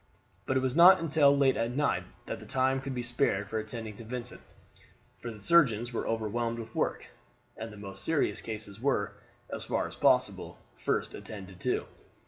But it was not until late at night that the time could be spared for attending to Vincent; for the surgeons were overwhelmed with work, and the most serious cases were, as far as possible, first attended to.